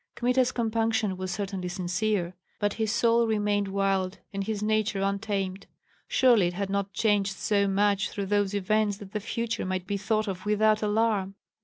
Kmita's compunction was certainly sincere, but his soul remained wild and his nature untamed; surely it had not changed so much through those events that the future might be thought of without alarm.